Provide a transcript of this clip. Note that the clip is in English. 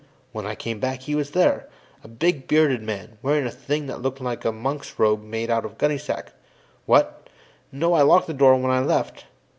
When I came back, he was here a big, bearded man, wearing a thing that looked like a monk's robe made out of gunny sack. What? No, I locked the door when I left.